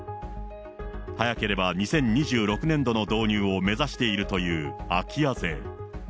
早ければ２０２６年度の導入を目指しているという空き家税。